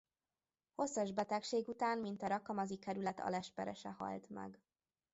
Hosszas betegség után mint a rakamazi kerület alesperese halt meg.